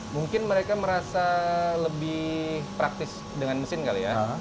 mungkin mereka merasa lebih praktis dengan mesin kali ya